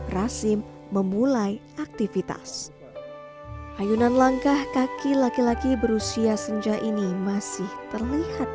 rasim memulai aktivitas ayunan langkah kaki laki laki berusia senja ini masih terlihat